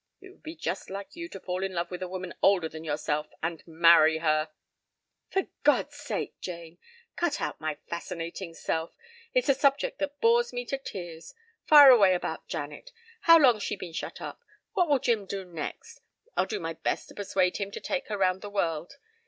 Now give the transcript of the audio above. It would be just like you to fall in love with a woman older than yourself and marry her " "For God's sake, Jane, cut out my fascinating self! It's a subject that bores me to tears. Fire away about Janet. How long's she been shut up? What will Jim do next? I'll do my best to persuade him to take her round the world.